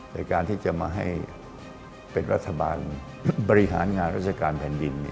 ในการที่จะมาให้เป็นรัฐบาลบริหารงานราชการแผ่นดิน